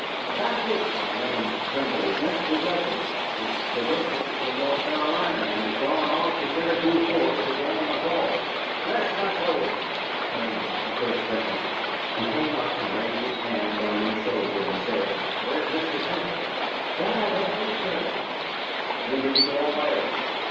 "A backwoodsman named Trimble went to Rutledge with credentials from North Carolina, and has gone off to Cherokee Ford to join McCall." "Bless my soul!" exclaimed the first gentleman. He came up and laid his hand on my shoulder, and said: "Where is Mr. Temple?" "That I don't know, sir." "When did he go away?"